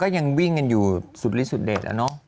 ยังวิ่งกันอยู่สุดฤทธสุดเด็ดอะเนาะ